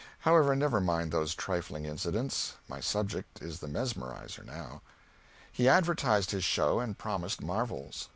However, never mind those trifling incidents; my subject is the mesmerizer, now. He advertised his show, and promised marvels.